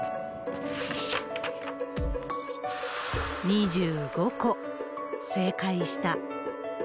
２５個、正解した。